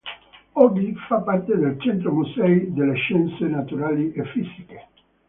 Oggi fa parte del Centro musei delle scienze naturali e fisiche.